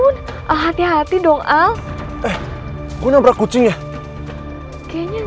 al kamu lu pasti pasti ada kesulitan gesek kesekan dari huruf gudang